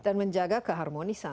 dan menjaga keharmonisan